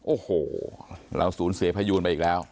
โอ้โหเราสูญเสียพยูนไปอีกแล้ว